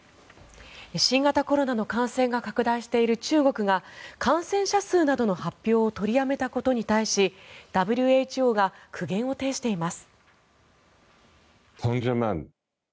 新型コロナの感染が拡大している中国が感染者数などの発表を取りやめたことに対しＷＨＯが苦言を呈しています。